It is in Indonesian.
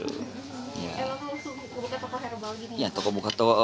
eh langsung buka toko herbal gini